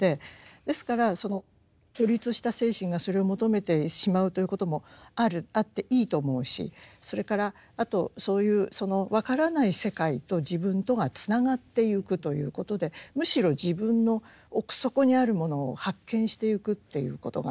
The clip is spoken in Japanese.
ですからその孤立した精神がそれを求めてしまうということもあるあっていいと思うしそれからあとそういうその分からない世界と自分とがつながってゆくということでむしろ自分の奥底にあるものを発見してゆくということがあると思うんです。